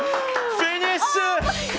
フィニッシュ！